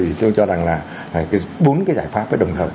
thì tôi cho rằng là bốn cái giải pháp đồng hợp